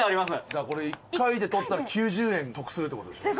だからこれ１回で取ったら９０円得するって事ですよね。